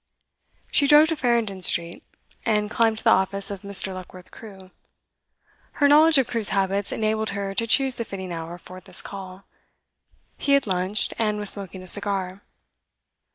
She drove to Farringdon Street, and climbed to the office of Mr Luckworth Crewe. Her knowledge of Crewe's habits enabled her to choose the fitting hour for this call; he had lunched, and was smoking a cigar.